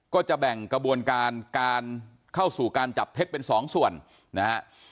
ก็จะแบ่งกระบวนการการเข้าสู่การจับเท็จเป็นสองส่วนนะฮะ